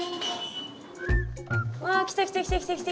わあ来た来た来た来た。